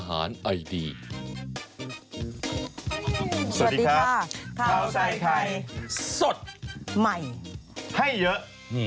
ข้าวใส่ไข่สดใหม่ให้เยอะ